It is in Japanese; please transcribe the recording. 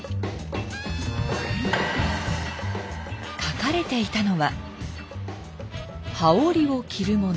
書かれていたのは「羽織を着る者」。